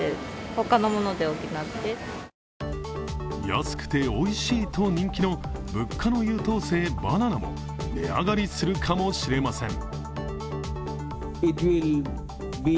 安くておいしいと人気の物価の優等生、バナナも値上がりするかもしれません。